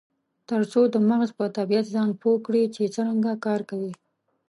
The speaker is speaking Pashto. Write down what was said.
ترڅو د مغز په طبیعت ځان پوه کړي چې څرنګه کار کوي.